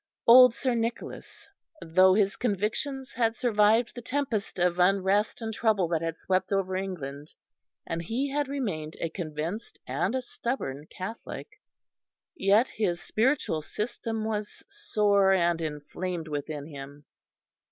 Old Sir Nicholas, though his convictions had survived the tempest of unrest and trouble that had swept over England, and he had remained a convinced and a stubborn Catholic, yet his spiritual system was sore and inflamed within him.